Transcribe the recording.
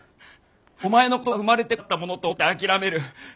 「お前のことは生まれてこなかったものと思って諦める。